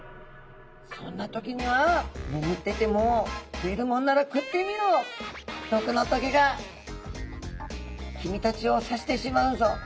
そんな時にはねむってても食えるもんなら食ってみろ毒の棘が君たちを刺してしまうぞ。